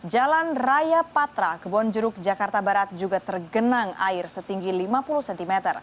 jalan raya patra kebonjeruk jakarta barat juga tergenang air setinggi lima puluh cm